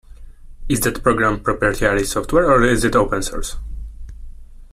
Is that program proprietary software, or is it open source?